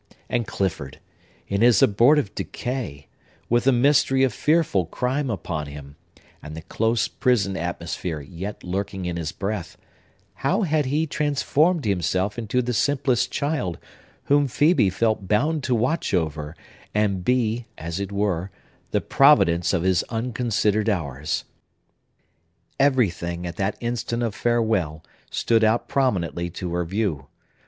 And Clifford,—in his abortive decay, with the mystery of fearful crime upon him, and the close prison atmosphere yet lurking in his breath,—how had he transformed himself into the simplest child, whom Phœbe felt bound to watch over, and be, as it were, the providence of his unconsidered hours! Everything, at that instant of farewell, stood out prominently to her view.